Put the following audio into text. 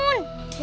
bang dik bangun